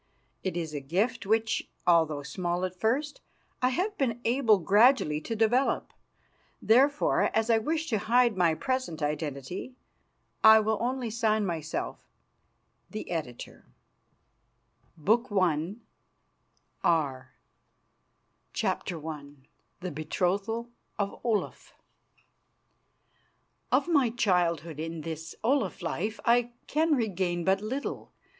It is a gift which, although small at first, I have been able gradually to develop. Therefore, as I wish to hide my present identity, I will only sign myself The Editor. THE WANDERER'S NECKLACE BOOK I AAR CHAPTER I THE BETROTHAL OF OLAF Of my childhood in this Olaf life I can regain but little.